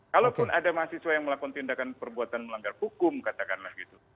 kalaupun ada mahasiswa yang melakukan tindakan perbuatan melanggar hukum katakanlah gitu